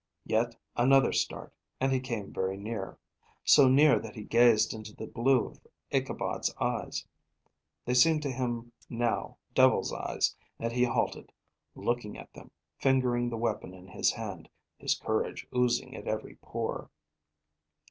Yet another start, and he came very near; so near that he gazed into the blue of Ichabod's eyes. They seemed to him now devil's eyes, and he halted, looking at them, fingering the weapon in his hand, his courage oozing at every pore.